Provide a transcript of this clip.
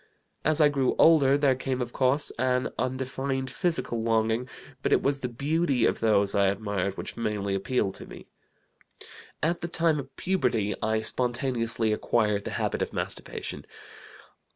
"As I grew older there came, of course, an undefined physical longing, but it was the beauty of those I admired which mainly appealed to me. At the time of puberty I spontaneously acquired the habit of masturbation.